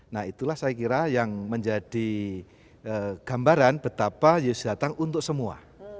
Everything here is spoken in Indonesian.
nah itulah saya kira yang menjadi gambaran betapa yesus datang untuk semua